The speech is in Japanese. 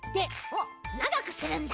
おっながくするんだ。